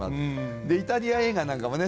イタリア映画なんかもね